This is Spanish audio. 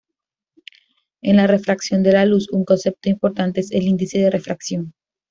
En la refracción de la luz, un concepto importante es el índice de refracción.